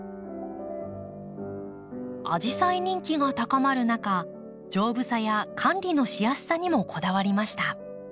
アジサイ人気が高まる中丈夫さや管理のしやすさにもこだわりました。